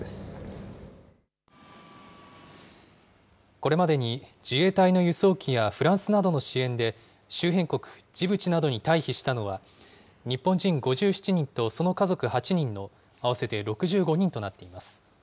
これまでに自衛隊の輸送機やフランスなどの支援で、周辺国ジブチなどに退避したのは、日本人５７人とその家族８人の合わせて６５人となっています。